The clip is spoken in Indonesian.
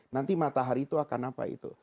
nanti matahari itu akan apa itu